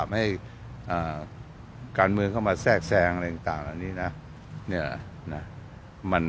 ให้การเมืองเข้ามาแทรกแซงอะไรต่างอันนี้นะ